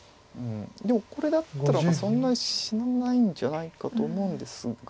でもこれだったらそんなに死なないんじゃないかと思うんですが。